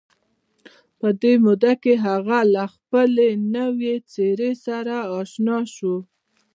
په دې موده کې هغه له خپلې نوې څېرې سره اشنا شو